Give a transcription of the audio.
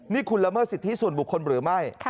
นี่คุณละเมิดสิทธิส่วนบุคคลหรือไม่